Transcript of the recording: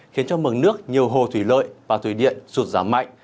khiến cho mừng nước nhiều hồ thủy lợi và thủy điện rụt ráng mạnh